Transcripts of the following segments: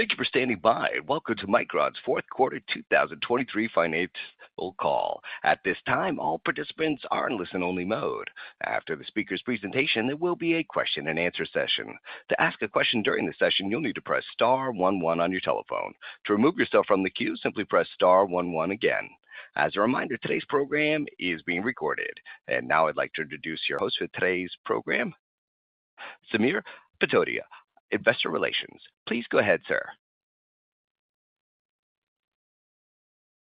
Thank you for standing by, and welcome to Micron's Q4 2023 financial call. At this time, all participants are in listen-only mode. After the speaker's presentation, there will be a question-and-answer session. To ask a question during the session, you'll need to press star one one on your telephone. To remove yourself from the queue, simply press star one one again. As a reminder, today's program is being recorded. And now I'd like to introduce your host for today's program, Samir Patodia, Investor Relations. Please go ahead, sir.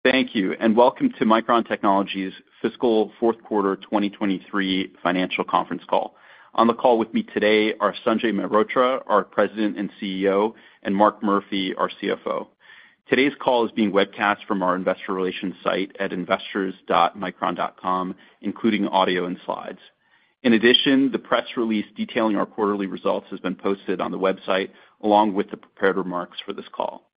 Thank you, and welcome to Micron Technology's fiscal Q4 2023 financial conference call. On the call with me today are Sanjay Mehrotra, our President and CEO, and Mark Murphy, our CFO. Today's call is being webcast from our investor relations site at investors.micron.com, including audio and slides. In addition, the press release detailing our quarterly results has been posted on the website, along with the prepared remarks for this call.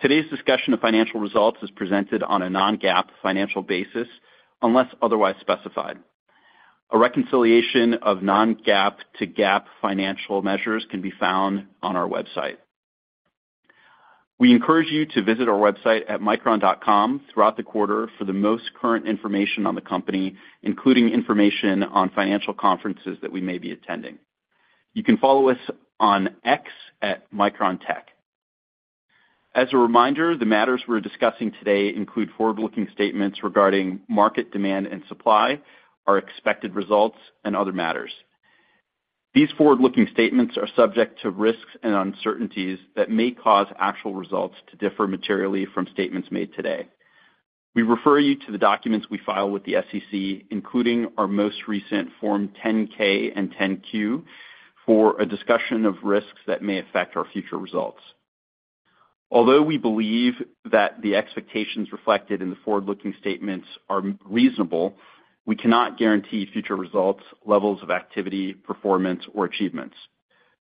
Today's discussion of financial results is presented on a non-GAAP financial basis, unless otherwise specified. A reconciliation of non-GAAP to GAAP financial measures can be found on our website. We encourage you to visit our website at micron.com throughout the quarter for the most current information on the company, including information on financial conferences that we may be attending. You can follow us on X at MicronTech. As a reminder, the matters we're discussing today include forward-looking statements regarding market demand and supply, our expected results, and other matters. These forward-looking statements are subject to risks and uncertainties that may cause actual results to differ materially from statements made today. We refer you to the documents we file with the SEC, including our most recent Form 10-K and 10-Q, for a discussion of risks that may affect our future results. Although we believe that the expectations reflected in the forward-looking statements are reasonable, we cannot guarantee future results, levels of activity, performance, or achievements.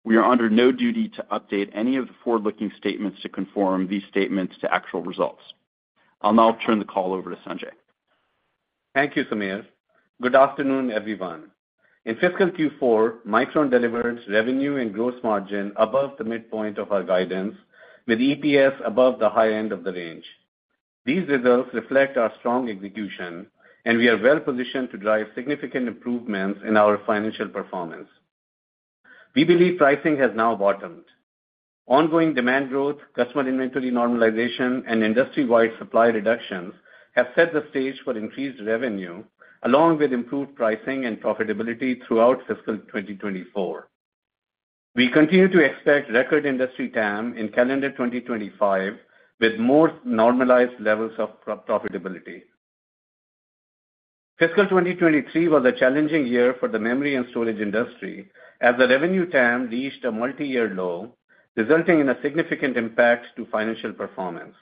We are under no duty to update any of the forward-looking statements to conform these statements to actual results. I'll now turn the call over to Sanjay. Thank you, Samir. Good afternoon, everyone. In fiscal Q4, Micron delivered revenue and gross margin above the midpoint of our guidance, with EPS above the high end of the range. These results reflect our strong execution, and we are well-positioned to drive significant improvements in our financial performance. We believe pricing has now bottomed. Ongoing demand growth, customer inventory normalization, and industry-wide supply reductions have set the stage for increased revenue, along with improved pricing and profitability throughout fiscal 2024. We continue to expect record industry TAM in calendar 2025, with more normalized levels of profitability. Fiscal 2023 was a challenging year for the memory and storage industry, as the revenue TAM reached a multi-year low, resulting in a significant impact to financial performance.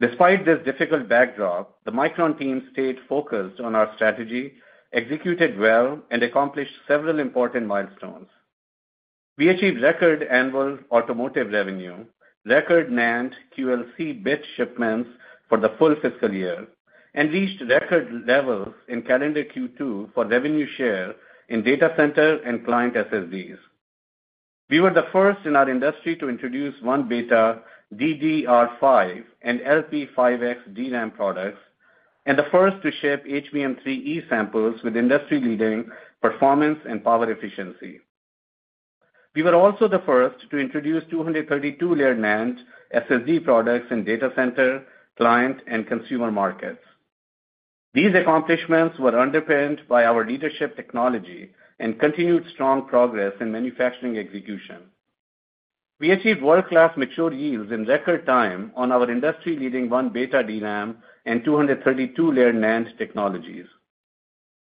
Despite this difficult backdrop, the Micron team stayed focused on our strategy, executed well, and accomplished several important milestones. We achieved record annual automotive revenue, record NAND QLC bit shipments for the full fiscal year, and reached record levels in calendar Q2 for revenue share in data center and client SSDs. We were the first in our industry to introduce 1-beta DDR5 and LP5X DRAM products, and the first to ship HBM3E samples with industry-leading performance and power efficiency. We were also the first to introduce 232-layer NAND SSD products in data center, client, and consumer markets. These accomplishments were underpinned by our leadership technology and continued strong progress in manufacturing execution. We achieved world-class mature yields in record time on our industry-leading 1-beta DRAM and 232-layer NAND technologies.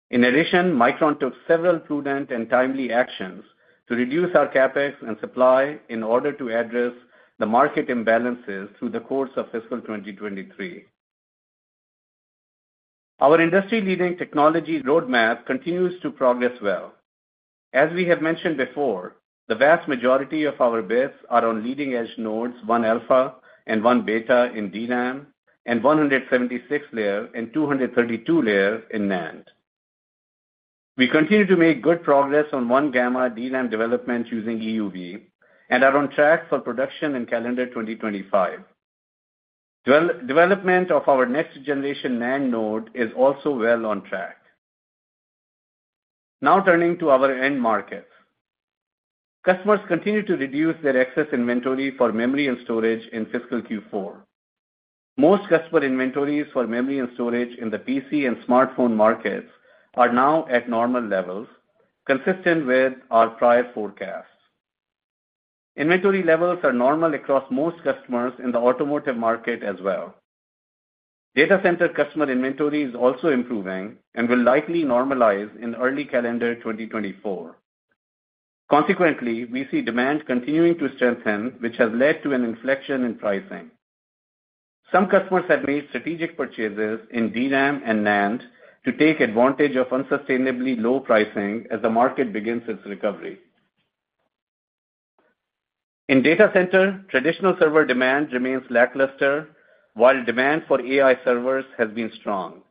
In addition, Micron took several prudent and timely actions to reduce our CapEx and supply in order to address the market imbalances through the course of fiscal 2023. Our industry-leading technology roadmap continues to progress well. As we have mentioned before, the vast majority of our bits are on leading-edge nodes, 1-alpha and 1-beta in DRAM, and 176-layer and 232-layer in NAND. We continue to make good progress on 1-gamma DRAM development using EUV and are on track for production in calendar 2025. Development of our next-generation NAND node is also well on track. Now, turning to our end markets. Customers continued to reduce their excess inventory for memory and storage in fiscal Q4. Most customer inventories for memory and storage in the PC and smartphone markets are now at normal levels, consistent with our prior forecasts. Inventory levels are normal across most customers in the automotive market as well. Data center customer inventory is also improving and will likely normalize in early calendar 2024. Consequently, we see demand continuing to strengthen, which has led to an inflection in pricing. Some customers have made strategic purchases in DRAM and NAND to take advantage of unsustainably low pricing as the market begins its recovery. In data center, traditional server demand remains lackluster, while demand for AI servers has been strong.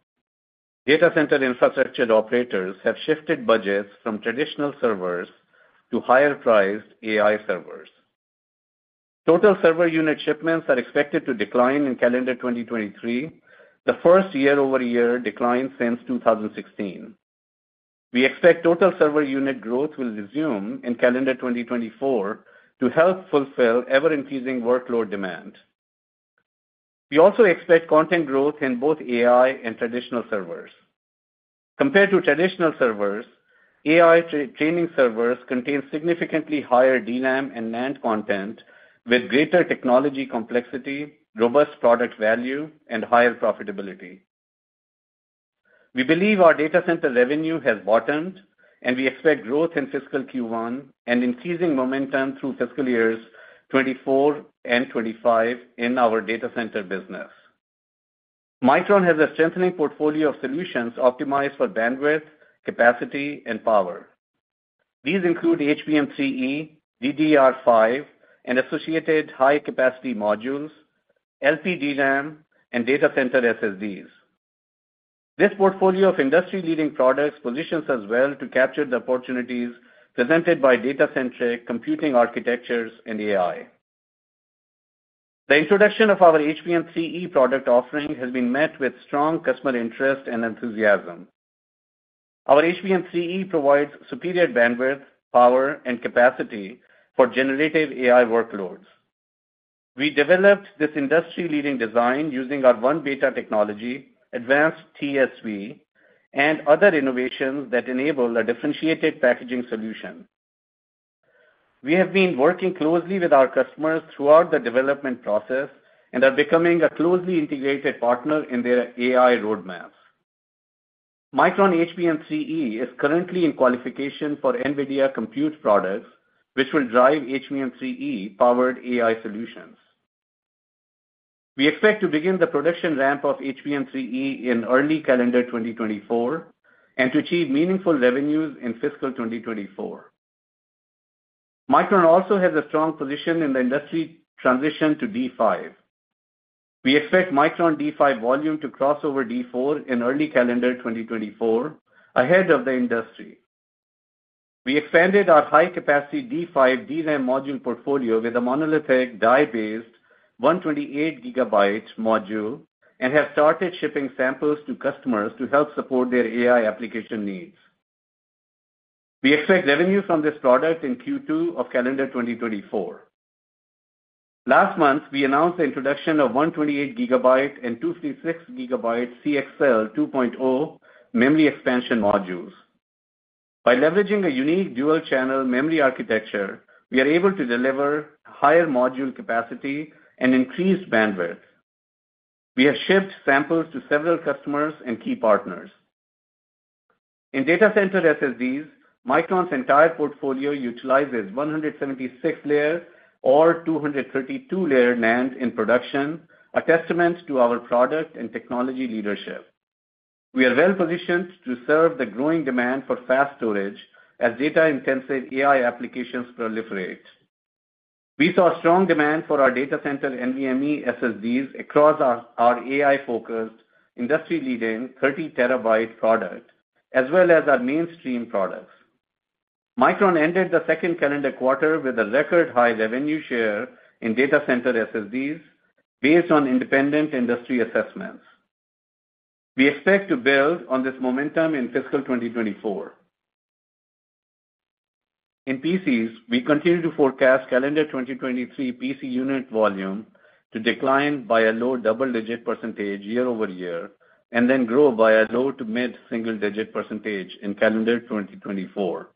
Data center infrastructure operators have shifted budgets from traditional servers to higher priced AI servers. Total server unit shipments are expected to decline in calendar 2023, the first year-over-year decline since 2016. We expect total server unit growth will resume in calendar 2024 to help fulfill ever-increasing workload demand. We also expect content growth in both AI and traditional servers. Compared to traditional servers, AI training servers contain significantly higher DRAM and NAND content with greater technology complexity, robust product value, and higher profitability. We believe our data center revenue has bottomed, and we expect growth in fiscal Q1 and increasing momentum through fiscal years 2024 and 2025 in our data center business. Micron has a strengthening portfolio of solutions optimized for bandwidth, capacity, and power. These include HBM3E, DDR5, and associated high-capacity modules, LPDRAM, and data center SSDs. This portfolio of industry-leading products positions us well to capture the opportunities presented by data-centric computing architectures and AI. The introduction of our HBM3E product offering has been met with strong customer interest and enthusiasm. Our HBM3E provides superior bandwidth, power, and capacity for generative AI workloads. We developed this industry-leading design using our 1-beta technology, advanced TSV, and other innovations that enable a differentiated packaging solution. We have been working closely with our customers throughout the development process and are becoming a closely integrated partner in their AI roadmaps. Micron HBM3E is currently in qualification for NVIDIA Compute products, which will drive HBM3E-powered AI solutions. We expect to begin the production ramp of HBM3E in early calendar 2024, and to achieve meaningful revenues in fiscal 2024. Micron also has a strong position in the industry transition to D5. We expect Micron D5 volume to cross over D4 in early calendar 2024, ahead of the industry. We expanded our high-capacity D5 DRAM module portfolio with a monolithic die-based 128 GB module, and have started shipping samples to customers to help support their AI application needs. We expect revenues from this product in Q2 of calendar 2024. Last month, we announced the introduction of 128 GB and 256 GB CXL 2.0 memory expansion modules. By leveraging a unique dual channel memory architecture, we are able to deliver higher module capacity and increased bandwidth. We have shipped samples to several customers and key partners. In data center SSDs, Micron's entire portfolio utilizes 176-layer or 232-layer NAND in production, a testament to our product and technology leadership. We are well positioned to serve the growing demand for fast storage as data-intensive AI applications proliferate. We saw strong demand for our data center NVMe SSDs across our, our AI-focused, industry-leading 30 terabyte product, as well as our mainstream products. Micron ended the second calendar quarter with a record high revenue share in data center SSDs based on independent industry assessments. We expect to build on this momentum in fiscal 2024. In PCs, we continue to forecast calendar 2023 PC unit volume to decline by a low double-digit Percentage year-over-year, and then grow by a low- to mid-single-digit Percentage in calendar 2024.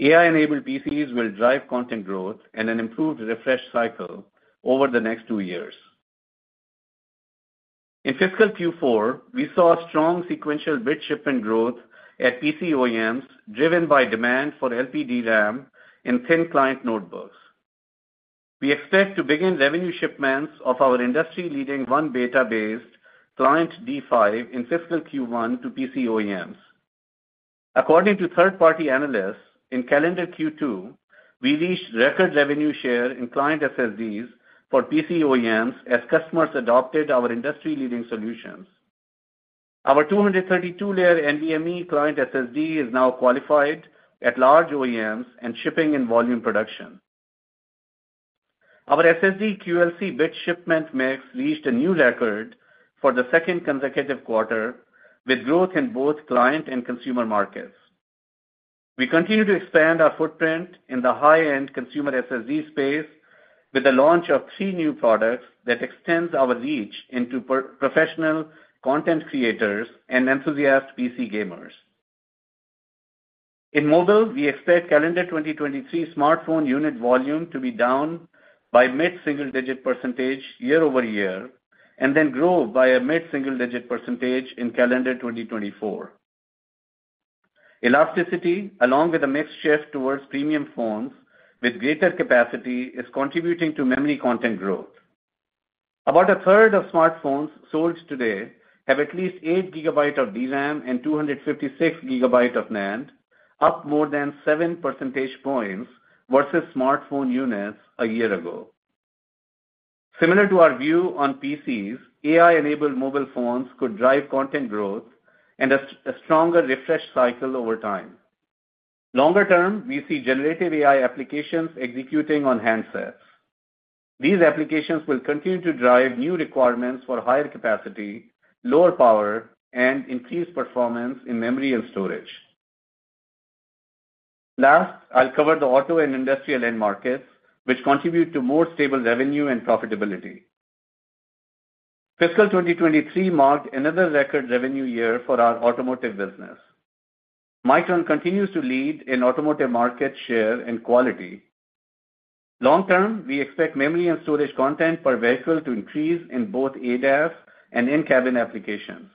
AI-enabled PCs will drive content growth and an improved refresh cycle over the next 2 years. In fiscal Q4, we saw strong sequential bit shipment growth at PC OEMs, driven by demand for LPDRAM in thin client notebooks. We expect to begin revenue shipments of our industry-leading 1-beta-based client D5 in fiscal Q1 to PC OEMs. According to third-party analysts, in calendar Q2, we reached record revenue share in client SSDs for PC OEMs as customers adopted our industry-leading solutions. Our 232-layer NVMe client SSD is now qualified at large OEMs and shipping in volume production. Our SSD QLC bit shipment mix reached a new record for the second consecutive quarter, with growth in both client and consumer markets. We continue to expand our footprint in the high-end consumer SSD space with the launch of 3 new products that extends our reach into professional content creators and enthusiast PC gamers. In mobile, we expect calendar 2023 smartphone unit volume to be down by mid-single digit Percentage year-over-year, and then grow by a mid-single digit Percentage in calendar 2024. Elasticity, along with a mixed shift towards premium phones with greater capacity, is contributing to memory content growth. About a third of smartphones sold today have at least 8 GB of DRAM and 256 GB of NAND, up more than 7 percentage points versus smartphone units a year ago. Similar to our view on PCs, AI-enabled mobile phones could drive content growth and a stronger refresh cycle over time. Longer term, we see generative AI applications executing on handsets. These applications will continue to drive new requirements for higher capacity, lower power, and increased performance in memory and storage. Last, I'll cover the auto and industrial end markets, which contribute to more stable revenue and profitability. Fiscal 2023 marked another record revenue year for our automotive business. Micron continues to lead in automotive market share and quality. Long term, we expect memory and storage content per vehicle to increase in both ADAS and in-cabin applications.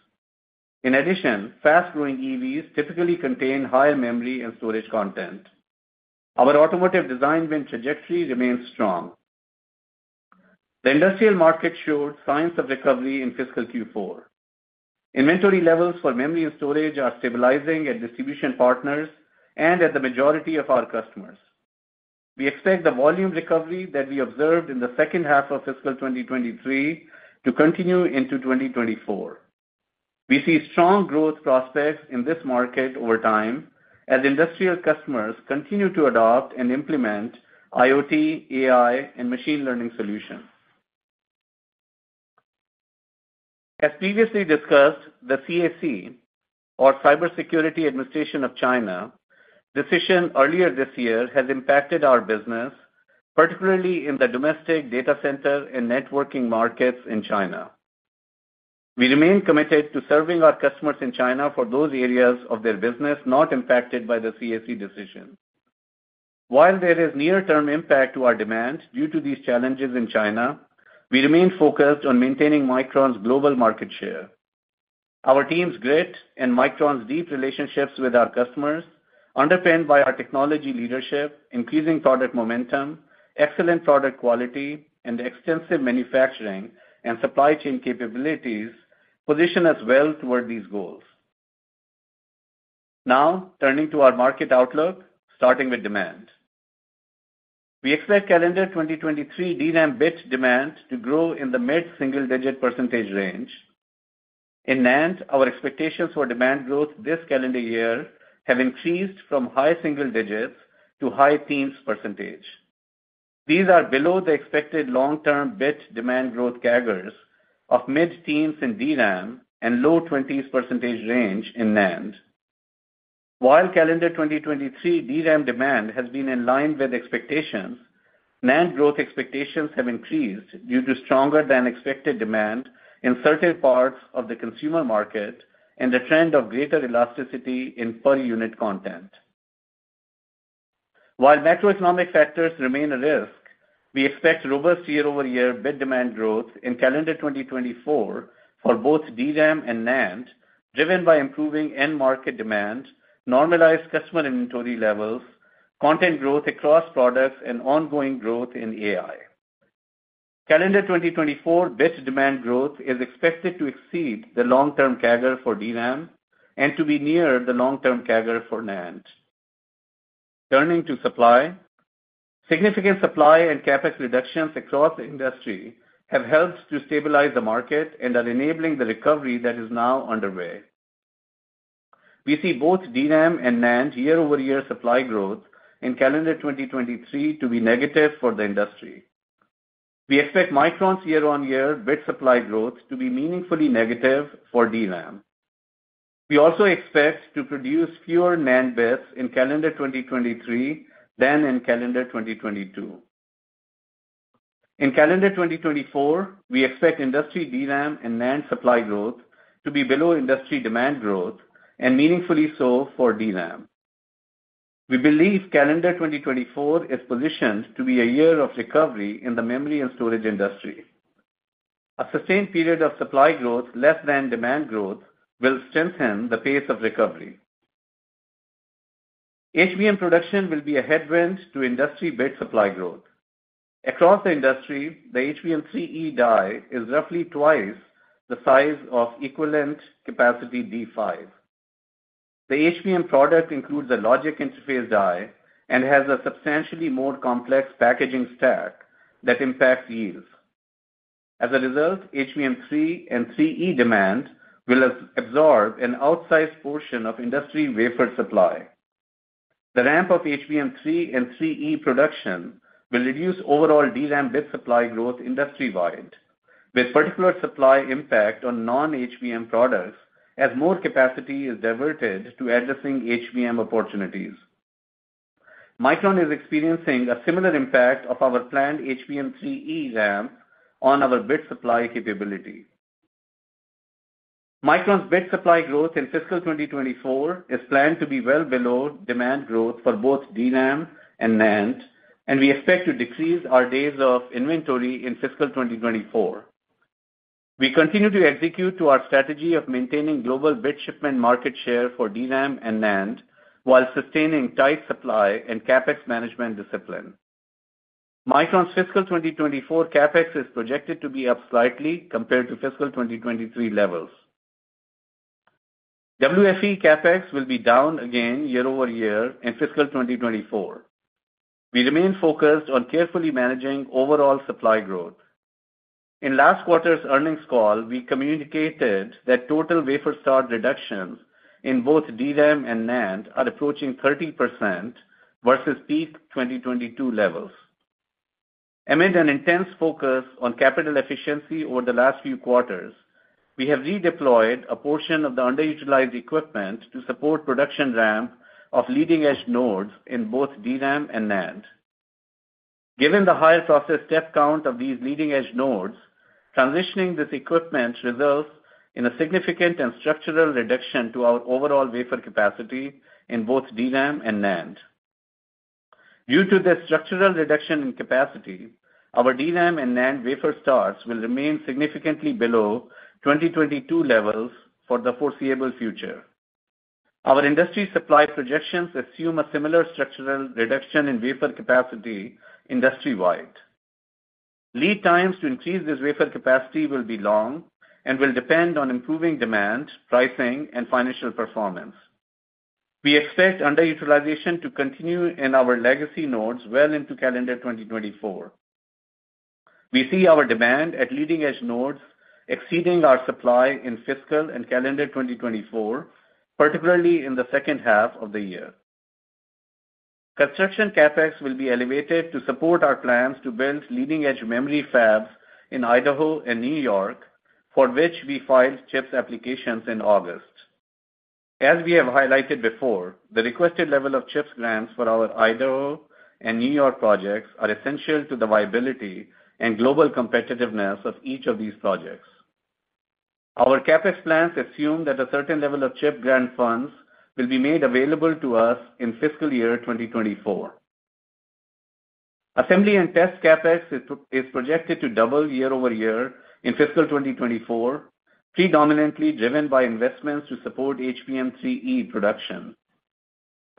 In addition, fast-growing EVs typically contain higher memory and storage content. Our automotive design win trajectory remains strong. The industrial market showed signs of recovery in fiscal Q4. Inventory levels for memory and storage are stabilizing at distribution partners and at the majority of our customers. We expect the volume recovery that we observed in the second half of fiscal 2023 to continue into 2024. We see strong growth prospects in this market over time as industrial customers continue to adopt and implement IoT, AI, and machine learning solutions. As previously discussed, the CAC, or Cyberspace Administration of China, decision earlier this year has impacted our business, particularly in the domestic data center and networking markets in China. We remain committed to serving our customers in China for those areas of their business not impacted by the CAC decision. While there is near-term impact to our demand due to these challenges in China, we remain focused on maintaining Micron's global market share. Our team's grit and Micron's deep relationships with our customers, underpinned by our technology leadership, increasing product momentum, excellent product quality, and extensive manufacturing and supply chain capabilities, position us well toward these goals. Now, turning to our market outlook, starting with demand. We expect calendar 2023 DRAM bit demand to grow in the mid-single-digit Percentage range. In NAND, our expectations for demand growth this calendar year have increased from high single digits to high teens Percentage. These are below the expected long-term bit demand growth CAGRs of mid-teens Percentage in DRAM and low twenties Percentage range in NAND. While calendar 2023 DRAM demand has been in line with expectations, NAND growth expectations have increased due to stronger than expected demand in certain parts of the consumer market and the trend of greater elasticity in per unit content. While macroeconomic factors remain a risk, we expect robust year-over-year bit demand growth in calendar 2024 for both DRAM and NAND, driven by improving end market demand, normalized customer inventory levels, content growth across products, and ongoing growth in AI. Calendar 2024 bit demand growth is expected to exceed the long-term CAGR for DRAM, and to be near the long-term CAGR for NAND. Turning to supply. Significant supply and CapEx reductions across the industry have helped to stabilize the market and are enabling the recovery that is now underway. We see both DRAM and NAND year-over-year supply growth in calendar 2023 to be negative for the industry. We expect Micron's year-on-year bit supply growth to be meaningfully negative for DRAM. We also expect to produce fewer NAND bits in calendar 2023 than in calendar 2022. In calendar 2024, we expect industry DRAM and NAND supply growth to be below industry demand growth and meaningfully so for DRAM. We believe calendar 2024 is positioned to be a year of recovery in the memory and storage industry. A sustained period of supply growth less than demand growth will strengthen the pace of recovery. HBM production will be a headwind to industry bit supply growth. Across the industry, the HBM3E die is roughly twice the size of equivalent capacity D5. The HBM product includes a logic interface die and has a substantially more complex packaging stack that impacts yield. As a result, HBM3E demand will absorb an outsized portion of industry wafer supply. The ramp of HBM3E production will reduce overall DRAM bit supply growth industry-wide, with particular supply impact on non-HBM products as more capacity is diverted to addressing HBM opportunities. Micron is experiencing a similar impact of our planned HBM3E RAM on our bit supply capability. Micron's bit supply growth in fiscal 2024 is planned to be well below demand growth for both DRAM and NAND, and we expect to decrease our days of inventory in fiscal 2024. We continue to execute to our strategy of maintaining global bit shipment market share for DRAM and NAND, while sustaining tight supply and CapEx management discipline. Micron's fiscal 2024 CapEx is projected to be up slightly compared to fiscal 2023 levels. WFE CapEx will be down again year-over-year in fiscal 2024. We remain focused on carefully managing overall supply growth. In last quarter's earnings call, we communicated that total wafer start reductions in both DRAM and NAND are approaching 30% versus peak 2022 levels. Amid an intense focus on capital efficiency over the last few quarters, we have redeployed a portion of the underutilized equipment to support production ramp of leading-edge nodes in both DRAM and NAND. Given the higher process step count of these leading-edge nodes, transitioning this equipment results in a significant and structural reduction to our overall wafer capacity in both DRAM and NAND. Due to this structural reduction in capacity, our DRAM and NAND wafer starts will remain significantly below 2022 levels for the foreseeable future. Our industry supply projections assume a similar structural reduction in wafer capacity industry-wide. Lead times to increase this wafer capacity will be long and will depend on improving demand, pricing, and financial performance. We expect underutilization to continue in our legacy nodes well into calendar 2024. We see our demand at leading-edge nodes exceeding our supply in fiscal and calendar 2024, particularly in the second half of the year. Construction CapEx will be elevated to support our plans to build leading-edge memory fabs in Idaho and New York, for which we filed CHIPS applications in August. As we have highlighted before, the requested level of CHIPS grants for our Idaho and New York projects are essential to the viability and global competitiveness of each of these projects. Our CapEx plans assume that a certain level of CHIPS grant funds will be made available to us in fiscal year 2024. Assembly and test CapEx is projected to double year-over-year in fiscal 2024, predominantly driven by investments to support HBM3E production.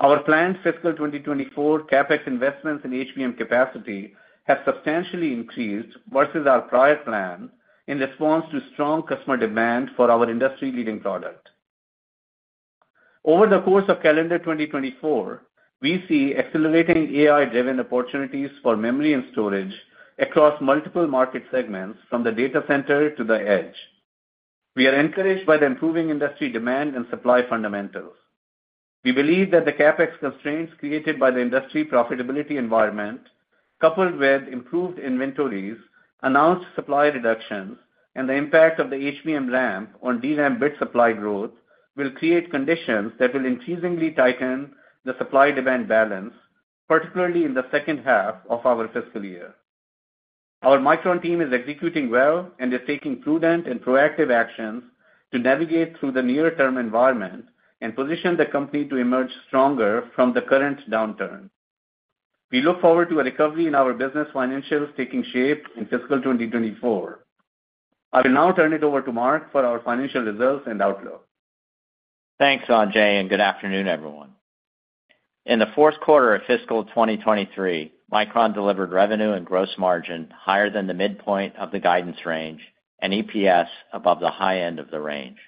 Our planned fiscal 2024 CapEx investments in HBM capacity have substantially increased versus our prior plan, in response to strong customer demand for our industry-leading product. Over the course of calendar 2024, we see accelerating AI-driven opportunities for memory and storage across multiple market segments, from the data center to the edge. We are encouraged by the improving industry demand and supply fundamentals. We believe that the CapEx constraints created by the industry profitability environment, coupled with improved inventories, announced supply reductions, and the impact of the HBM ramp on DRAM bit supply growth, will create conditions that will increasingly tighten the supply-demand balance, particularly in the second half of our fiscal year. Our Micron team is executing well and is taking prudent and proactive actions to navigate through the near-term environment and position the company to emerge stronger from the current downturn. We look forward to a recovery in our business financials taking shape in fiscal 2024. I will now turn it over to Mark for our financial results and outlook. Thanks, Sanjay, and good afternoon, everyone. In the Q4 of fiscal 2023, Micron delivered revenue and gross margin higher than the midpoint of the guidance range and EPS above the high end of the range.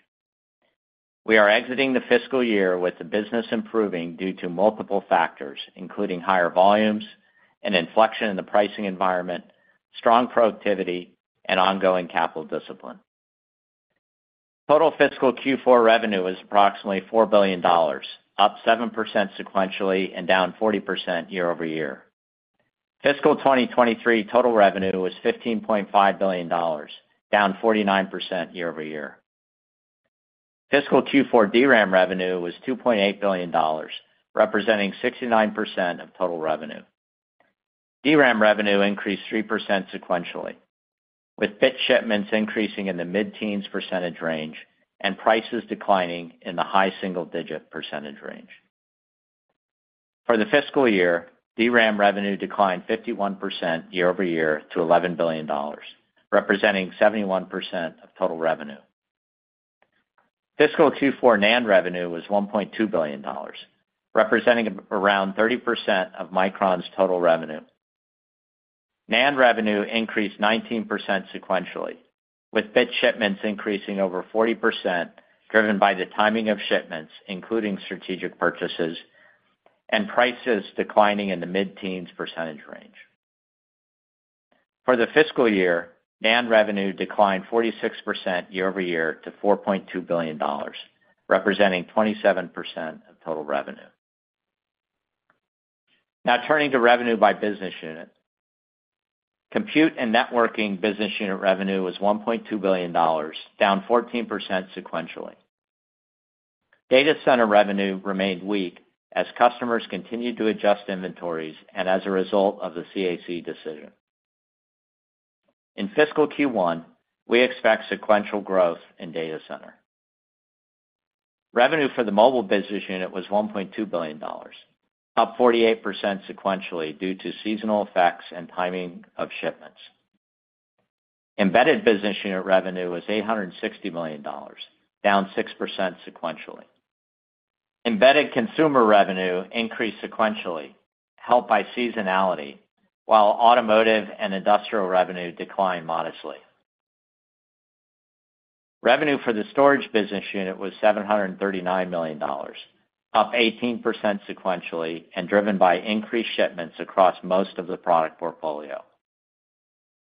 We are exiting the fiscal year with the business improving due to multiple factors, including higher volumes, an inflection in the pricing environment, strong productivity, and ongoing capital discipline. Total fiscal Q4 revenue was approximately $4 billion, up 7% sequentially and down 40% year-over-year. Fiscal 2023 total revenue was $15.5 billion, down 49% year-over-year. Fiscal Q4 DRAM revenue was $2.8 billion, representing 69% of total revenue. DRAM revenue increased 3% sequentially, with bit shipments increasing in the mid-teens Percentage range and prices declining in the high single-digit Percentage range. For the fiscal year, DRAM revenue declined 51% year-over-year to $11 billion, representing 71% of total revenue. Fiscal Q4 NAND revenue was $1.2 billion, representing around 30% of Micron's total revenue. NAND revenue increased 19% sequentially, with bit shipments increasing over 40%, driven by the timing of shipments, including strategic purchases and prices declining in the mid-teens Percentage range. For the fiscal year, NAND revenue declined 46% year-over-year to $4.2 billion, representing 27% of total revenue. Now turning to revenue by business unit. Compute and networking business unit revenue was $1.2 billion, down 14% sequentially. Data center revenue remained weak as customers continued to adjust inventories and as a result of the CAC decision. In fiscal Q1, we expect sequential growth in data center. Revenue for the mobile business unit was $1.2 billion, up 48% sequentially due to seasonal effects and timing of shipments. Embedded business unit revenue was $860 million, down 6% sequentially. Embedded consumer revenue increased sequentially, helped by seasonality, while automotive and industrial revenue declined modestly. Revenue for the storage business unit was $739 million, up 18% sequentially, and driven by increased shipments across most of the product portfolio.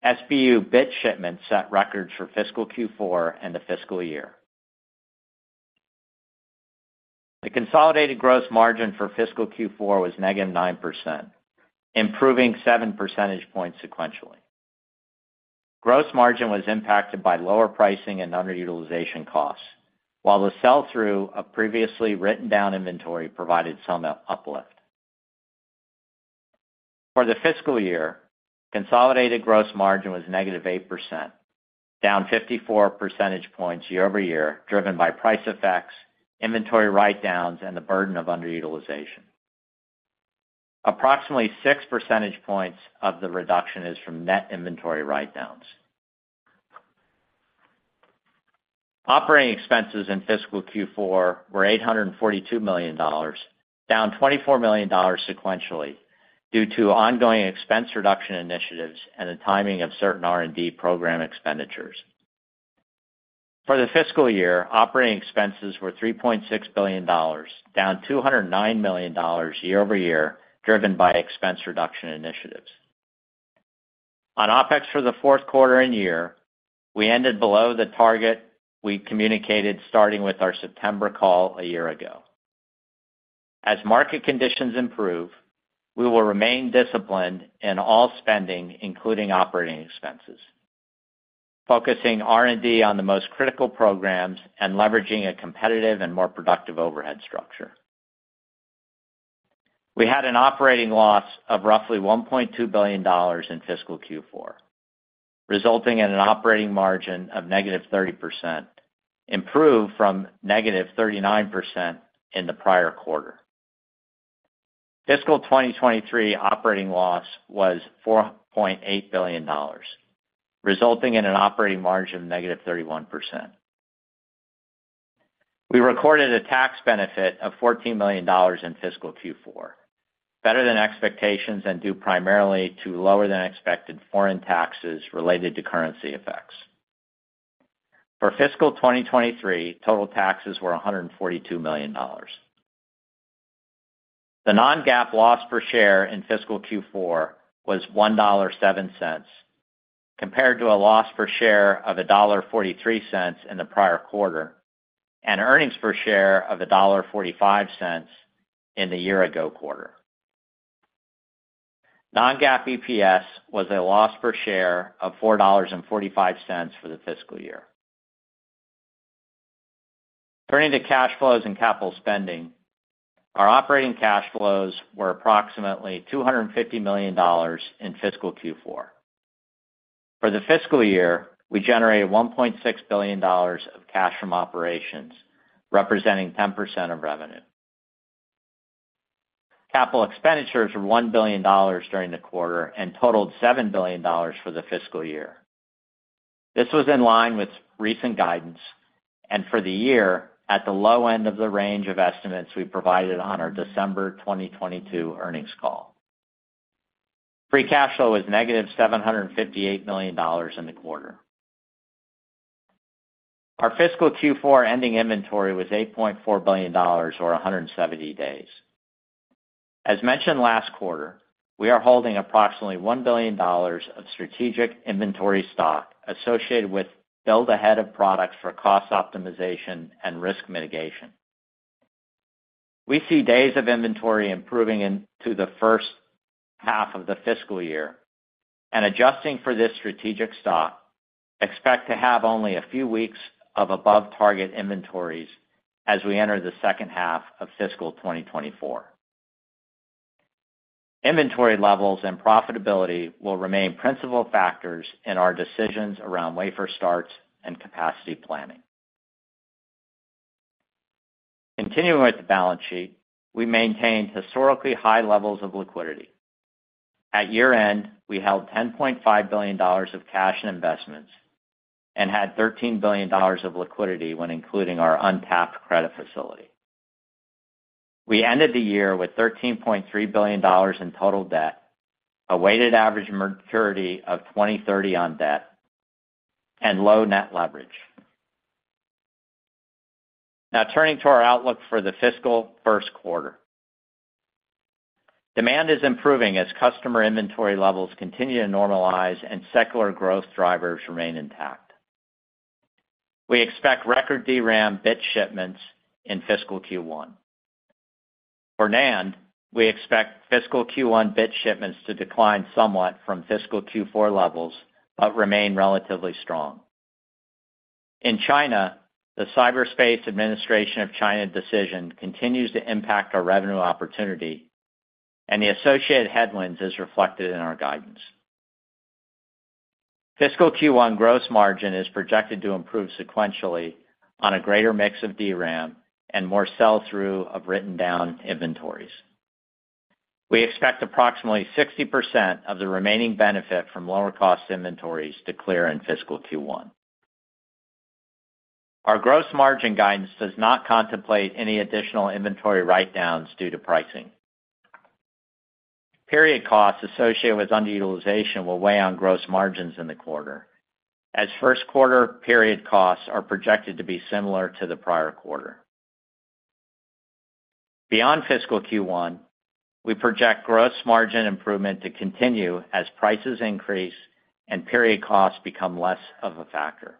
SBU bit shipments set records for fiscal Q4 and the fiscal year. The consolidated gross margin for fiscal Q4 was -9%, improving seven percentage points sequentially. Gross margin was impacted by lower pricing and underutilization costs, while the sell-through of previously written down inventory provided some uplift. For the fiscal year, consolidated gross margin was negative 8%, down 54 percentage points year-over-year, driven by price effects, inventory write-downs, and the burden of underutilization. Approximately 6 percentage points of the reduction is from net inventory write-downs. Operating expenses in fiscal Q4 were $842 million, down $24 million sequentially due to ongoing expense reduction initiatives and the timing of certain R&D program expenditures. For the fiscal year, operating expenses were $3.6 billion, down $209 million year-over-year, driven by expense reduction initiatives. On OpEx for the Q4 and year, we ended below the target we communicated starting with our September call a year ago. As market conditions improve, we will remain disciplined in all spending, including operating expenses, focusing R&D on the most critical programs and leveraging a competitive and more productive overhead structure. We had an operating loss of roughly $1.2 billion in fiscal Q4, resulting in an operating margin of -30%, improved from -39% in the prior quarter. Fiscal 2023 operating loss was $4.8 billion, resulting in an operating margin of -31%. We recorded a tax benefit of $14 million in fiscal Q4, better than expectations and due primarily to lower than expected foreign taxes related to currency effects. For fiscal 2023, total taxes were $142 million. The non-GAAP loss per share in fiscal Q4 was $1.07, compared to a loss per share of $1.43 in the prior quarter, and earnings per share of $1.45 in the year ago quarter. Non-GAAP EPS was a loss per share of $4.45 for the fiscal year. Turning to cash flows and capital spending. Our operating cash flows were approximately $250 million in fiscal Q4. For the fiscal year, we generated $1.6 billion of cash from operations, representing 10% of revenue. Capital expenditures were $1 billion during the quarter and totaled $7 billion for the fiscal year. This was in line with recent guidance, and for the year, at the low end of the range of estimates we provided on our December 2022 earnings call. Free cash flow was -$758 million in the quarter. Our fiscal Q4 ending inventory was $8.4 billion or 170 days. As mentioned last quarter, we are holding approximately $1 billion of strategic inventory stock associated with build ahead of products for cost optimization and risk mitigation. We see days of inventory improving into the first half of the fiscal year and adjusting for this strategic stock, expect to have only a few weeks of above target inventories as we enter the second half of fiscal 2024. Inventory levels and profitability will remain principal factors in our decisions around wafer starts and capacity planning. Continuing with the balance sheet, we maintained historically high levels of liquidity. At year-end, we held $10.5 billion of cash and investments, and had $13 billion of liquidity when including our untapped credit facility. We ended the year with $13.3 billion in total debt, a weighted average maturity of 2030 on debt, and low net leverage. Now, turning to our outlook for the fiscal Q1. Demand is improving as customer inventory levels continue to normalize and secular growth drivers remain intact. We expect record DRAM bit shipments in fiscal Q1. For NAND, we expect fiscal Q1 bit shipments to decline somewhat from fiscal Q4 levels, but remain relatively strong. In China, the Cyberspace Administration of China decision continues to impact our revenue opportunity, and the associated headwinds is reflected in our guidance. Fiscal Q1 gross margin is projected to improve sequentially on a greater mix of DRAM and more sell-through of written down inventories. We expect approximately 60% of the remaining benefit from lower cost inventories to clear in fiscal Q1. Our gross margin guidance does not contemplate any additional inventory write-downs due to pricing. Period costs associated with underutilization will weigh on gross margins in the quarter, as Q1 period costs are projected to be similar to the prior quarter. Beyond fiscal Q1, we project gross margin improvement to continue as prices increase and period costs become less of a factor.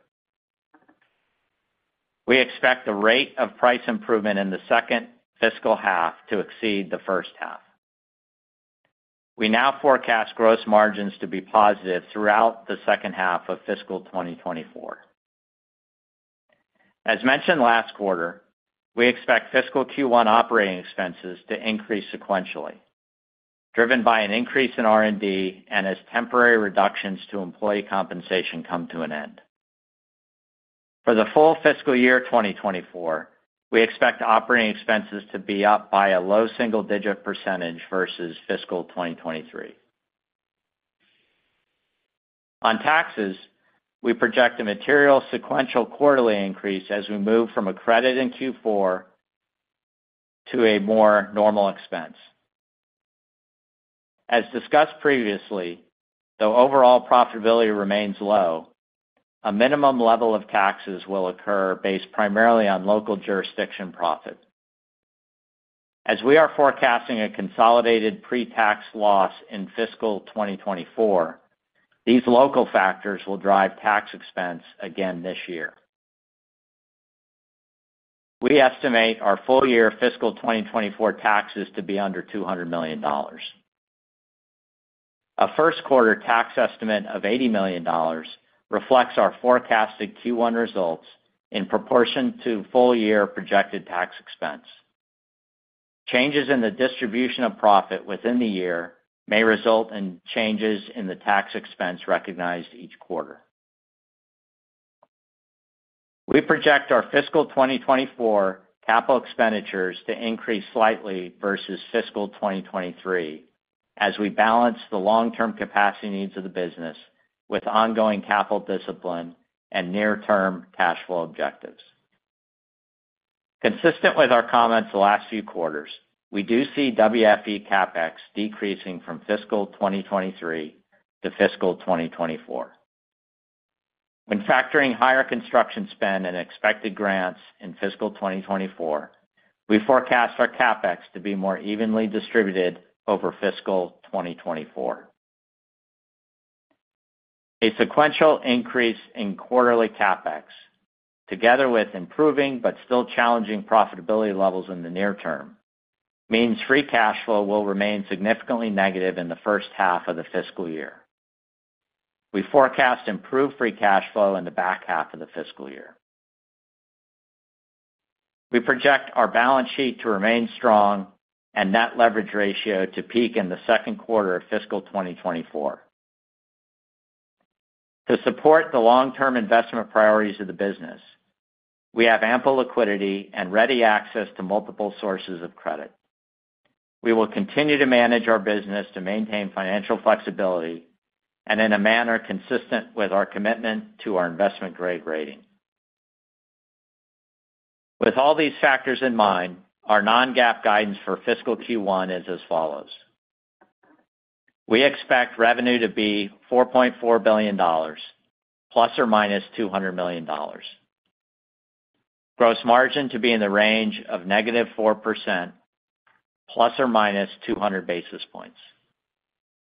We expect the rate of price improvement in the second fiscal half to exceed the first half. We now forecast gross margins to be positive throughout the second half of fiscal 2024. As mentioned last quarter, we expect fiscal Q1 operating expenses to increase sequentially, driven by an increase in R&D and as temporary reductions to employee compensation come to an end. For the full fiscal year 2024, we expect operating expenses to be up by a low single-digit percentage versus fiscal 2023. On taxes, we project a material sequential quarterly increase as we move from a credit in Q4 to a more normal expense. As discussed previously, though overall profitability remains low, a minimum level of taxes will occur based primarily on local jurisdiction profit. As we are forecasting a consolidated pre-tax loss in fiscal 2024, these local factors will drive tax expense again this year. We estimate our full year fiscal 2024 taxes to be under $200 million. A Q1 tax estimate of $80 million reflects our forecasted Q1 results in proportion to full year projected tax expense. Changes in the distribution of profit within the year may result in changes in the tax expense recognized each quarter. We project our fiscal 2024 capital expenditures to increase slightly versus fiscal 2023, as we balance the long-term capacity needs of the business with ongoing capital discipline and near-term cash flow objectives. Consistent with our comments the last few quarters, we do see WFE CapEx decreasing from fiscal 2023 to fiscal 2024. When factoring higher construction spend and expected grants in fiscal 2024, we forecast our CapEx to be more evenly distributed over fiscal 2024. A sequential increase in quarterly CapEx, together with improving but still challenging profitability levels in the near term, means free cash flow will remain significantly negative in the first half of the fiscal year. We forecast improved free cash flow in the back half of the fiscal year. We project our balance sheet to remain strong and net leverage ratio to peak in the Q2 of fiscal 2024. To support the long-term investment priorities of the business, we have ample liquidity and ready access to multiple sources of credit. We will continue to manage our business to maintain financial flexibility and in a manner consistent with our commitment to our investment-grade rating. With all these factors in mind, our non-GAAP guidance for fiscal Q1 is as follows: We expect revenue to be $4.4 billion ± $200 million. Gross margin to be in the range of -4% ± 200 basis points,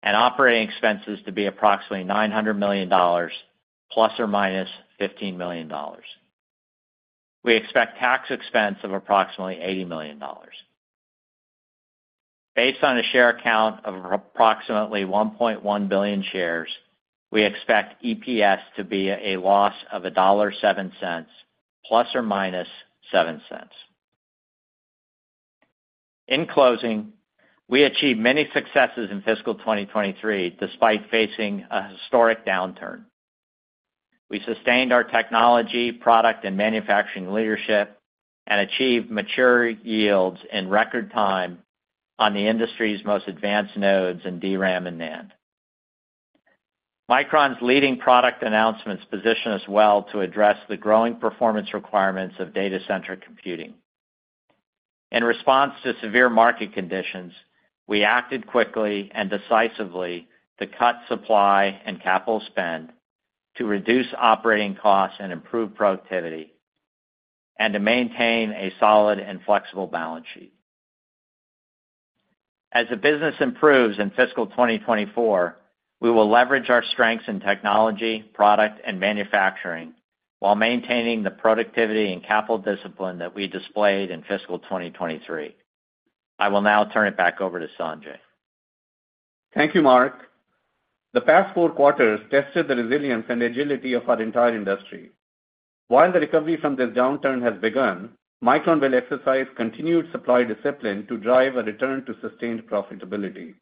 and operating expenses to be approximately $900 million ± $15 million. We expect tax expense of approximately $80 million. Based on a share count of approximately 1.1 billion shares, we expect EPS to be a loss of $1.07, ±7 cents. In closing, we achieved many successes in fiscal 2023, despite facing a historic downturn. We sustained our technology, product, and manufacturing leadership and achieved mature yields in record time on the industry's most advanced nodes in DRAM and NAND. Micron's leading product announcements position us well to address the growing performance requirements of data center computing. In response to severe market conditions, we acted quickly and decisively to cut supply and capital spend, to reduce operating costs and improve productivity, and to maintain a solid and flexible balance sheet. As the business improves in fiscal 2024, we will leverage our strengths in technology, product, and manufacturing while maintaining the productivity and capital discipline that we displayed in fiscal 2023. I will now turn it back over to Sanjay. Thank you, Mark. The past four quarters tested the resilience and agility of our entire industry. While the recovery from this downturn has begun, Micron will exercise continued supply discipline to drive a return to sustained profitability.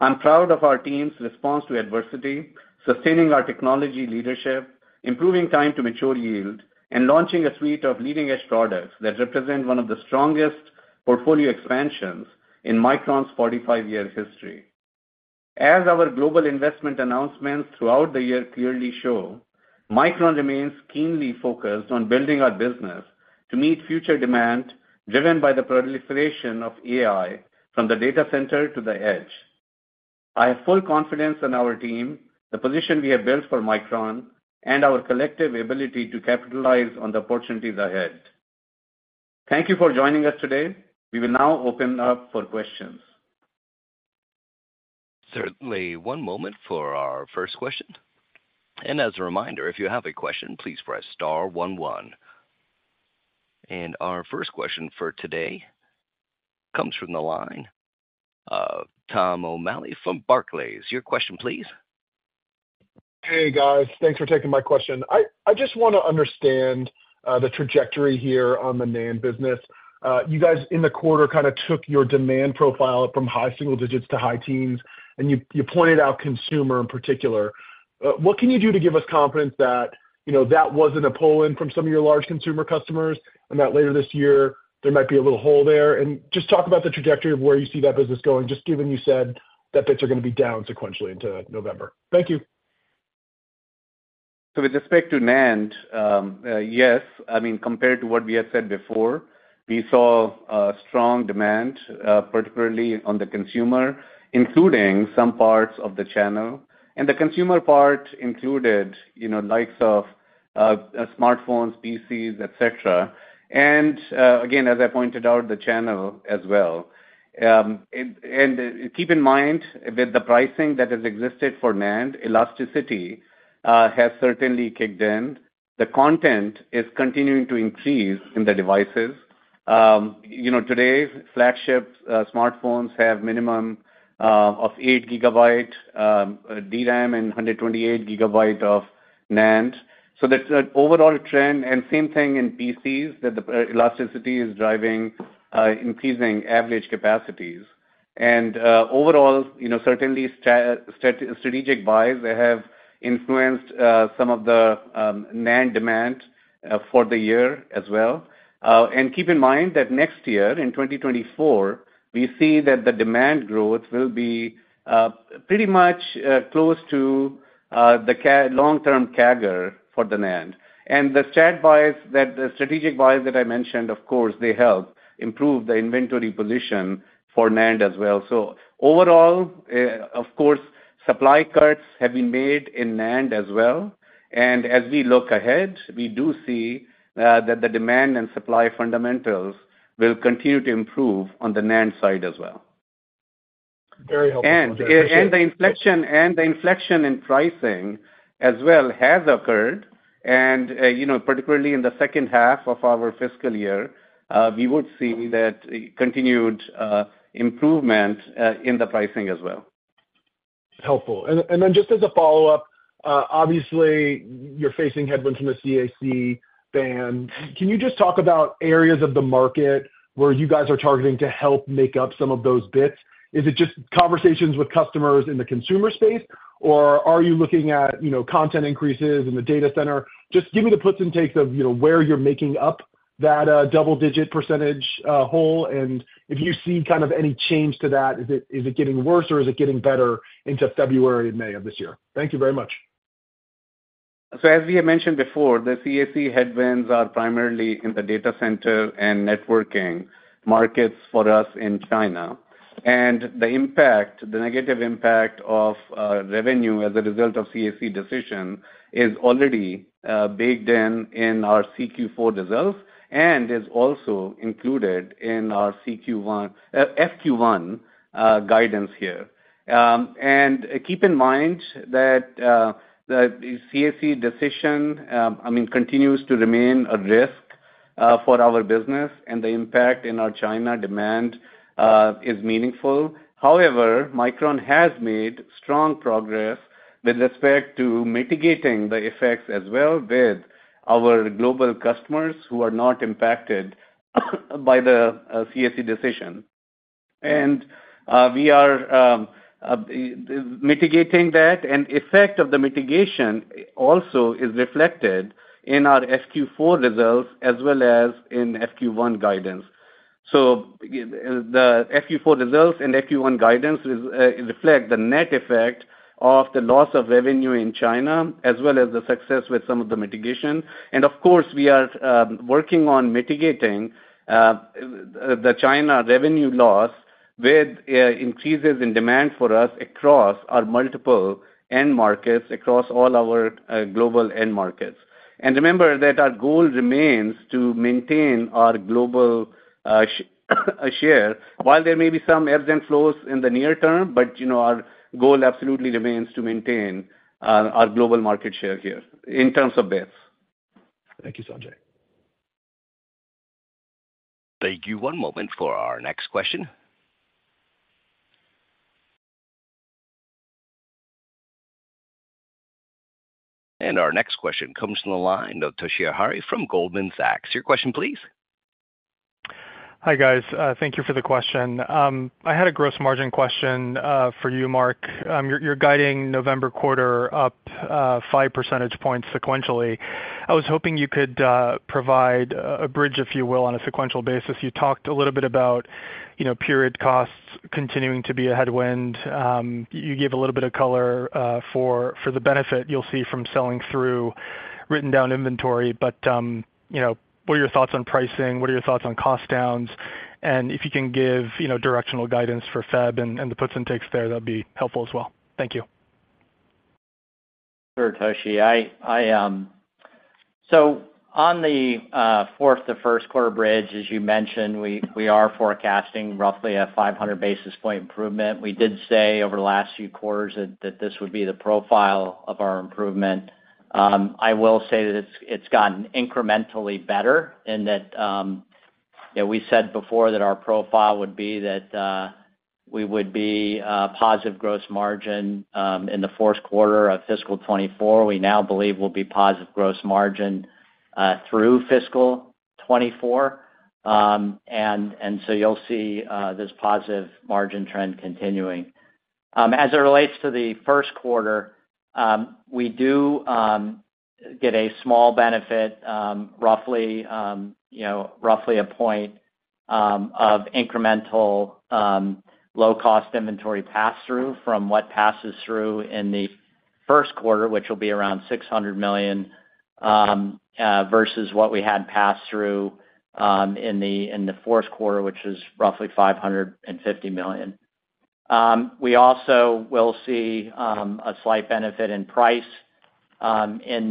I'm proud of our team's response to adversity, sustaining our technology leadership, improving time to mature yield, and launching a suite of leading-edge products that represent one of the strongest portfolio expansions in Micron's 45-year history. As our global investment announcements throughout the year clearly show, Micron remains keenly focused on building our business to meet future demand, driven by the proliferation of AI from the data center to the edge. I have full confidence in our team, the position we have built for Micron, and our collective ability to capitalize on the opportunities ahead. Thank you for joining us today. We will now open up for questions. Certainly. One moment for our first question. As a reminder, if you have a question, please press star one, one. Our first question for today comes from the line of Tom O'Malley from Barclays. Your question, please. Hey, guys. Thanks for taking my question. I just wanna understand the trajectory here on the NAND business. You guys, in the quarter, kinda took your demand profile from high single digits to high teens, and you pointed out consumer in particular. What can you do to give us confidence that, you know, that wasn't a pull-in from some of your large consumer customers, and that later this year, there might be a little hole there? And just talk about the trajectory of where you see that business going, just given you said that bits are gonna be down sequentially into November. Thank you. So with respect to NAND, yes, I mean, compared to what we had said before, we saw strong demand, particularly on the consumer, including some parts of the channel. And the consumer part included, you know, likes of smartphones, PCs, et cetera, and again, as I pointed out, the channel as well. And keep in mind that the pricing that has existed for NAND, elasticity has certainly kicked in. The content is continuing to increase in the devices. You know, today's flagship smartphones have minimum of 8GB DRAM and 128GB of NAND. So that's an overall trend, and same thing in PCs, that the elasticity is driving increasing average capacities. Overall, you know, certainly, strategic buys have influenced some of the NAND demand for the year as well. And keep in mind that next year, in 2024, we see that the demand growth will be pretty much close to the long-term CAGR for demand. And the strat buys, that the strategic buys that I mentioned, of course, they help improve the inventory position for NAND as well. So overall, of course, supply cuts have been made in NAND as well, and as we look ahead, we do see that the demand and supply fundamentals will continue to improve on the NAND side as well. Very helpful, Sanjay. The inflection in pricing as well has occurred, and you know, particularly in the second half of our fiscal year, we would see that continued improvement in the pricing as well. Helpful. And then just as a follow-up, obviously, you're facing headwinds from the CAC ban. Can you just talk about areas of the market where you guys are targeting to help make up some of those bits? Is it just conversations with customers in the consumer space, or are you looking at, you know, content increases in the data center? Just give me the puts and takes of, you know, where you're making up that double-digit percentage hole, and if you see kind of any change to that, is it getting worse or is it getting better into February and May of this year? Thank you very much. So as we have mentioned before, the CAC headwinds are primarily in the data center and networking markets for us in China. The impact, the negative impact of revenue as a result of CAC decision is already baked in in our CQ4 results and is also included in our CQ1... FQ1 guidance here. Keep in mind that the CAC decision, I mean, continues to remain a risk for our business, and the impact in our China demand is meaningful. However, Micron has made strong progress with respect to mitigating the effects as well with our global customers who are not impacted by the CAC decision. We are mitigating that, and effect of the mitigation also is reflected in our FQ4 results as well as in FQ1 guidance. The FQ4 results and FQ1 guidance reflect the net effect of the loss of revenue in China, as well as the success with some of the mitigation. Of course, we are working on mitigating the China revenue loss with increases in demand for us across our multiple end markets, across all our global end markets. Remember that our goal remains to maintain our global share. While there may be some ebbs and flows in the near term, but you know, our goal absolutely remains to maintain our global market share here in terms of bits. Thank you, Sanjay. Thank you. One moment for our next question. And our next question comes from the line of Toshiya Hari from Goldman Sachs. Your question, please. Hi, guys. Thank you for the question. I had a gross margin question for you, Mark. You're guiding November quarter up five percentage points sequentially. I was hoping you could provide a bridge, if you will, on a sequential basis. You talked a little bit about, you know, period costs continuing to be a headwind. You gave a little bit of color for the benefit you'll see from selling through written-down inventory, but you know, what are your thoughts on pricing? What are your thoughts on cost downs? And if you can give you know, directional guidance for Feb and the puts and takes there, that'd be helpful as well. Thank you. Sure, Toshi. So on the Q4 to Q1 bridge, as you mentioned, we are forecasting roughly a 500 basis point improvement. We did say over the last few quarters that this would be the profile of our improvement. I will say that it's gotten incrementally better, in that, you know, we said before that our profile would be that we would be positive gross margin in the fourth quarter of fiscal 2024. We now believe we'll be positive gross margin through fiscal 2024. And so you'll see this positive margin trend continuing. As it relates to the Q1, we do get a small benefit, roughly, you know, roughly a point of incremental low-cost inventory passthrough from what passes through in the Q1, which will be around $600 million versus what we had passed through in the Q4Q4, which is roughly $550 million. We also will see a slight benefit in price in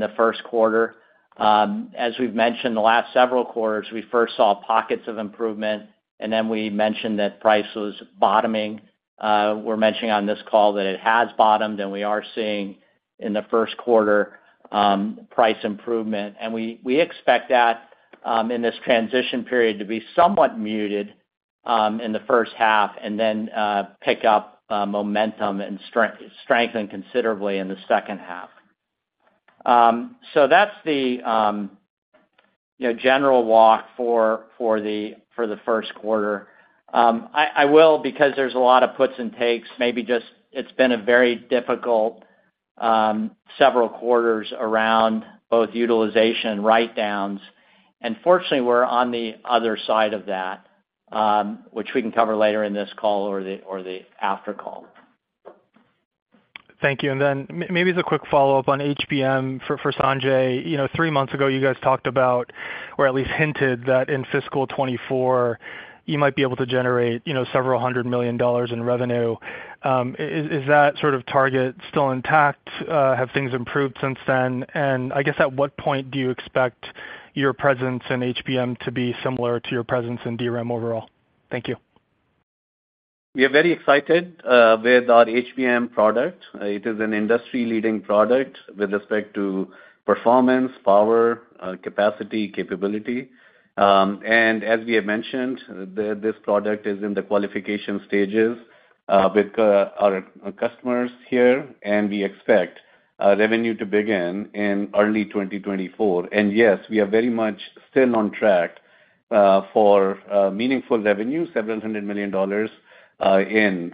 the first quarter. As we've mentioned the last several quarters, we first saw pockets of improvement, and then we mentioned that price was bottoming. We're mentioning on this call that it has bottomed, and we are seeing in the Q1 price improvement. And we expect that in this transition period to be somewhat muted in the first half, and then pick up momentum and strengthen considerably in the second half. So that's the, you know, general walk for the Q1. I will, because there's a lot of puts and takes, maybe just it's been a very difficult several quarters around both utilization and write-downs. And fortunately, we're on the other side of that, which we can cover later in this call or the after call. Thank you. And then maybe as a quick follow-up on HBM for Sanjay. You know, three months ago, you guys talked about, or at least hinted, that in fiscal 2024, you might be able to generate, you know, several hundred million dollars in revenue. Is that sort of target still intact? Have things improved since then? And I guess, at what point do you expect your presence in HBM to be similar to your presence in DRAM overall? Thank you. We are very excited with our HBM product. It is an industry-leading product with respect to performance, power, capacity, capability. And as we have mentioned, this product is in the qualification stages with our customers here, and we expect revenue to begin in early 2024. And yes, we are very much still on track for meaningful revenue, several hundred million dollar, in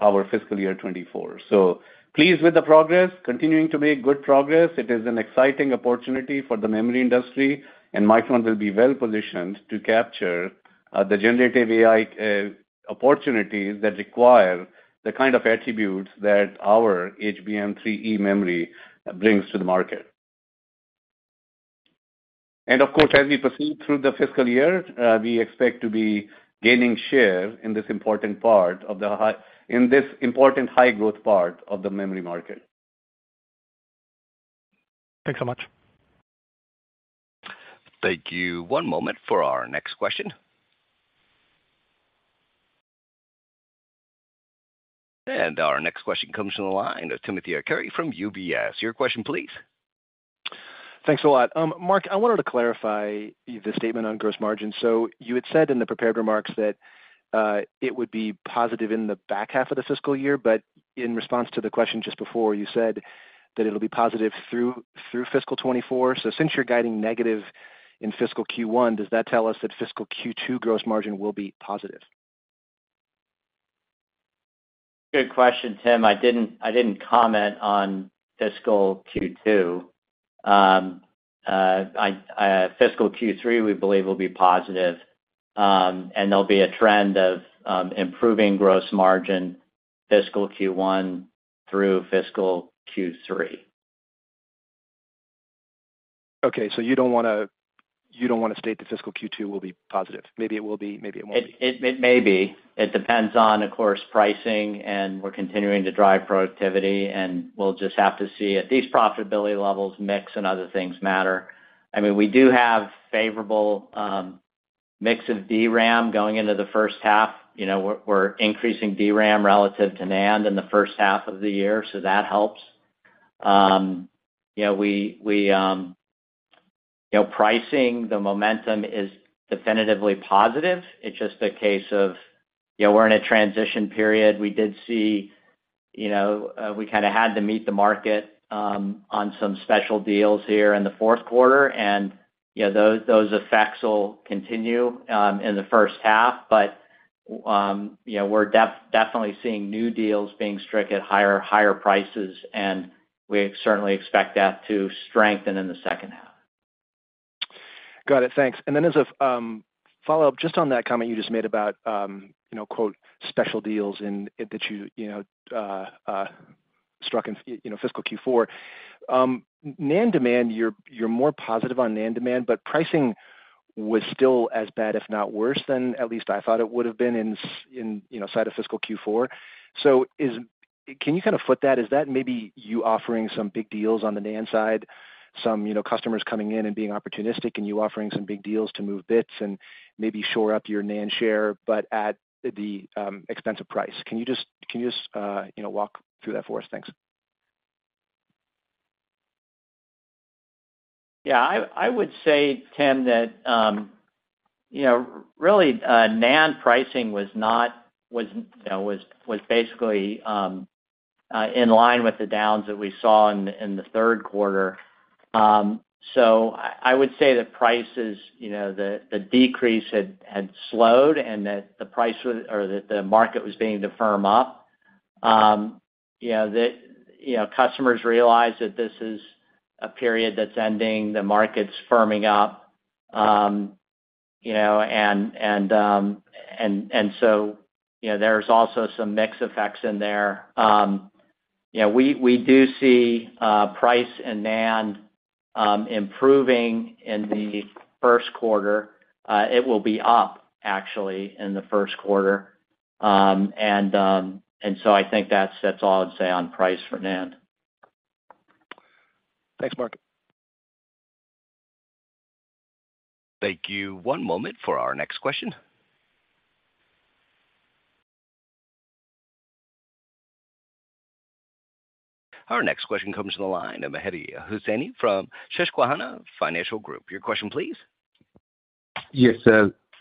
our fiscal year 2024. So pleased with the progress, continuing to make good progress. It is an exciting opportunity for the memory industry, and Micron will be well positioned to capture the generative AI opportunities that require the kind of attributes that our HBM3E memory brings to the market. And of course, as we proceed through the fiscal year, we expect to be gaining share in this important high-growth part of the memory market. Thanks so much. Thank you. One moment for our next question. Our next question comes from the line of Timothy Arcuri from UBS. Your question, please. Thanks a lot. Mark, I wanted to clarify the statement on gross margin. So you had said in the prepared remarks that it would be positive in the back half of the fiscal year, but in response to the question just before, you said that it'll be positive through, through fiscal 2024. So since you're guiding negative in fiscal Q1, does that tell us that fiscal Q2 gross margin will be positive? Good question, Tim. I didn't comment on fiscal Q2. Fiscal Q3, we believe, will be positive, and there'll be a trend of improving gross margin, fiscal Q1 through fiscal Q3. Okay, so you don't wanna, you don't wanna state that fiscal Q2 will be positive? Maybe it will be, maybe it won't be. It may be. It depends on, of course, pricing, and we're continuing to drive productivity, and we'll just have to see. At these profitability levels, mix and other things matter. I mean, we do have favorable mix of DRAM going into the first half. You know, we're increasing DRAM relative to NAND in the first half of the year, so that helps. You know, pricing, the momentum is definitively positive. It's just a case of, you know, we're in a transition period. We did see, you know, we kind of had to meet the market on some special deals here in the Q4, and, you know, those effects will continue in the first half. You know, we're definitely seeing new deals being struck at higher, higher prices, and we certainly expect that to strengthen in the second half. Got it. Thanks. And then as a follow-up, just on that comment you just made about, you know, "special deals" that you, you know, struck in fiscal Q4. NAND demand, you're more positive on NAND demand, but pricing was still as bad, if not worse, than at least I thought it would have been inside of fiscal Q4. So, can you kind of flip that? Is that maybe you offering some big deals on the NAND side, some, you know, customers coming in and being opportunistic, and you offering some big deals to move bits and maybe shore up your NAND share, but at the expense of price? Can you just, you know, walk through that for us? Thanks. Yeah, I would say, Tim, that, you know, really, NAND pricing was not... was, you know, was basically in line with the downs that we saw in the Q3. So I would say the prices, you know, the decrease had slowed and that the market was beginning to firm up. Yeah, you know, customers realize that this is a period that's ending, the market's firming up. You know, and so, you know, there's also some mix effects in there. Yeah, we do see price in NAND improving in the Q1. It will be up actually in the Q1. And so I think that's all I'd say on price for NAND. Thanks, Mark. Thank you. One moment for our next question. Our next question comes from the line of Mehdi Hosseini from Susquehanna Financial Group. Your question, please. Yes,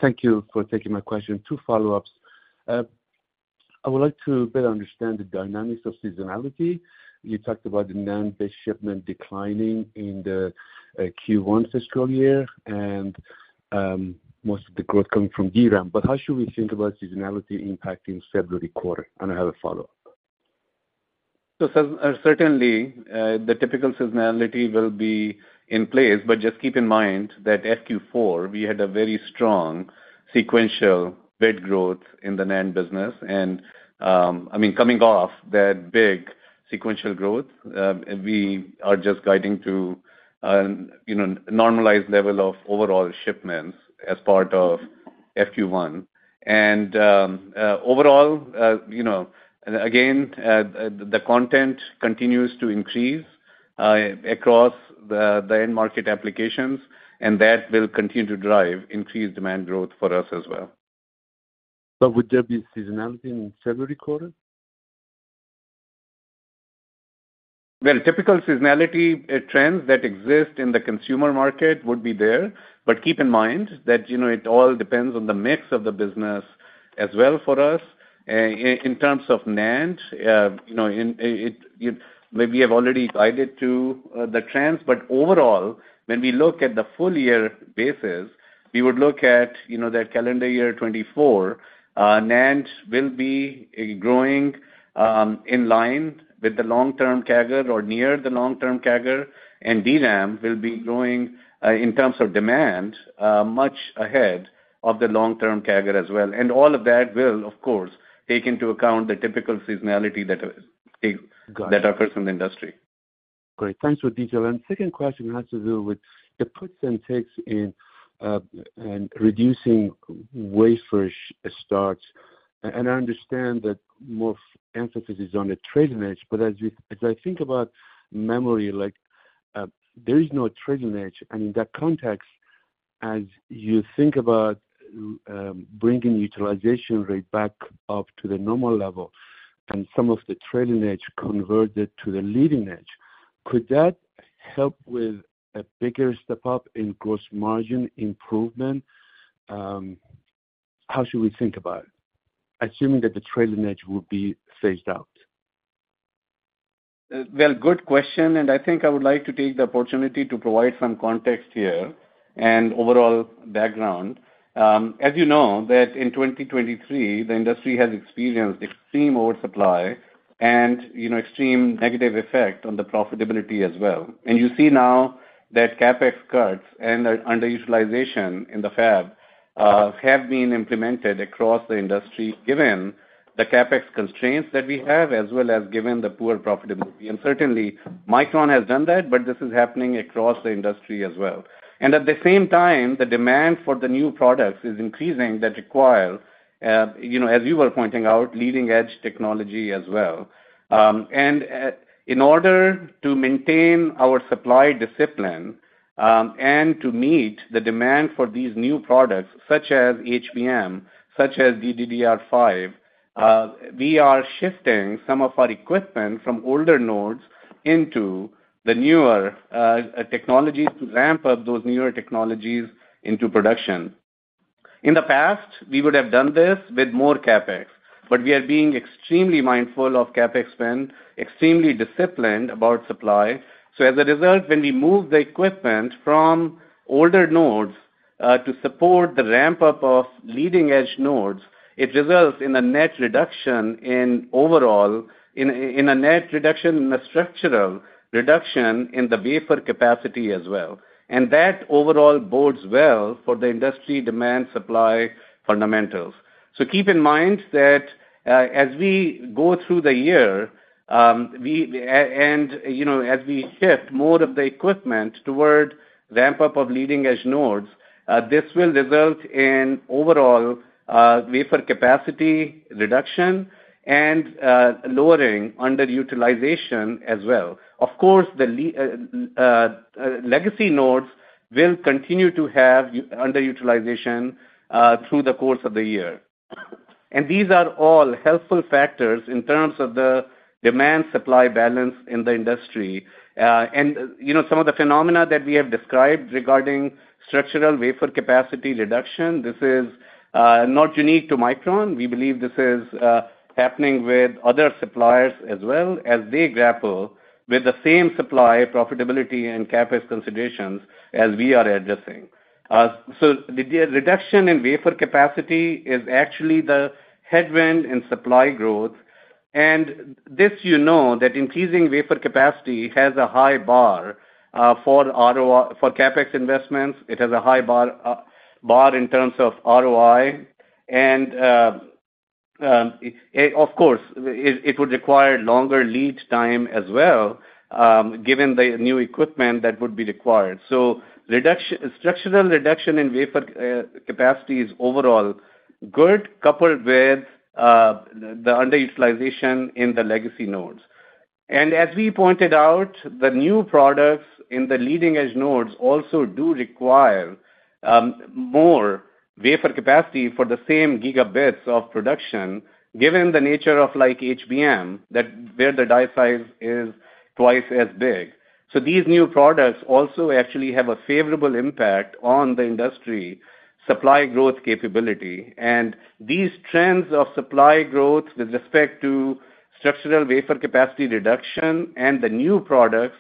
thank you for taking my question. Two follow-ups. I would like to better understand the dynamics of seasonality. You talked about the NAND-based shipment declining in the Q1 fiscal year, and most of the growth coming from DRAM. But how should we think about seasonality impacting February quarter? And I have a follow-up. So, as certainly the typical seasonality will be in place, but just keep in mind that FQ4, we had a very strong sequential bit growth in the NAND business. And, I mean, coming off that big sequential growth, we are just guiding to, you know, normalized level of overall shipments as part of FQ1. And, overall, you know, and again, the content continues to increase across the end market applications, and that will continue to drive increased demand growth for us as well. Would there be seasonality in February quarter? Well, typical seasonality, trends that exist in the consumer market would be there, but keep in mind that, you know, it all depends on the mix of the business as well for us. In terms of NAND, you know, we have already guided to the trends, but overall, when we look at the full year basis, we would look at, you know, that calendar year 2024, NAND will be growing in line with the long-term CAGR or near the long-term CAGR, and DRAM will be growing in terms of demand much ahead of the long-term CAGR as well. And all of that will, of course, take into account the typical seasonality that take. Got it. that occurs in the industry. Great. Thanks for detail. Second question has to do with the puts and takes in and reducing wafer starts. I understand that more emphasis is on the trailing edge, but as I think about memory, like, there is no trailing edge. In that context, as you think about bringing utilization rate back up to the normal level and some of the trailing edge converted to the leading edge, could that help with a bigger step up in gross margin improvement? How should we think about it, assuming that the trailing edge will be phased out? Well, good question, and I think I would like to take the opportunity to provide some context here and overall background. As you know, that in 2023, the industry has experienced extreme oversupply and, you know, extreme negative effect on the profitability as well. And you see now that CapEx cuts and the underutilization in the fab have been implemented across the industry, given the CapEx constraints that we have, as well as given the poor profitability. And certainly, Micron has done that, but this is happening across the industry as well. And at the same time, the demand for the new products is increasing, that require, you know, as you were pointing out, leading-edge technology as well. And in order to maintain our supply discipline, and to meet the demand for these new products, such as HBM, such as DDR5. We are shifting some of our equipment from older nodes into the newer technologies to ramp up those newer technologies into production. In the past, we would have done this with more CapEx, but we are being extremely mindful of CapEx spend, extremely disciplined about supply. So as a result, when we move the equipment from older nodes to support the ramp-up of leading-edge nodes, it results in a net reduction in overall, a net reduction, a structural reduction in the wafer capacity as well. That overall bodes well for the industry demand-supply fundamentals. Keep in mind that, as we go through the year, you know, as we shift more of the equipment toward ramp-up of leading-edge nodes, this will result in overall, wafer capacity reduction and lowering underutilization as well. Of course, the legacy nodes will continue to have underutilization through the course of the year. And these are all helpful factors in terms of the demand-supply balance in the industry. And, you know, some of the phenomena that we have described regarding structural wafer capacity reduction, this is not unique to Micron. We believe this is happening with other suppliers as well, as they grapple with the same supply, profitability, and CapEx considerations as we are addressing. So the reduction in wafer capacity is actually the headwind in supply growth. And this you know, that increasing wafer capacity has a high bar for CapEx investments, it has a high bar in terms of ROI. Of course, it would require longer lead time as well, given the new equipment that would be required. So, structural reduction in wafer capacity is overall good, coupled with the underutilization in the legacy nodes. As we pointed out, the new products in the leading-edge nodes also do require more wafer capacity for the same gigabits of production, given the nature of, like, HBM, that where the die size is twice as big. So these new products also actually have a favorable impact on the industry supply growth capability. These trends of supply growth with respect to structural wafer capacity reduction and the new products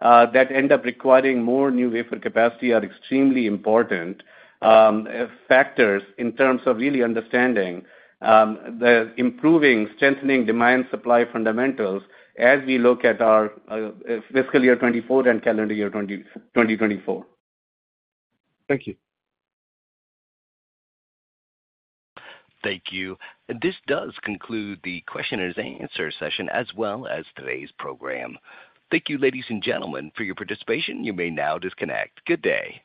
that end up requiring more new wafer capacity are extremely important factors in terms of really understanding the improving, strengthening demand-supply fundamentals as we look at our fiscal year 2024 and calendar year 2024. Thank you. Thank you. This does conclude the question and answer session, as well as today's program. Thank you, ladies and gentlemen, for your participation. You may now disconnect. Good day!